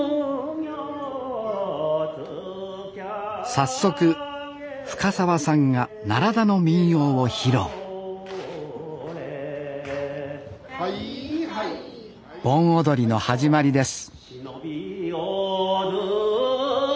早速深沢さんが奈良田の民謡を披露盆踊りの始まりです